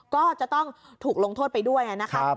ก็จะต้องถูกลงโทษไปด้วยนะครับ